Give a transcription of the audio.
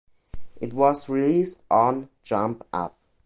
It was released on Jump Up!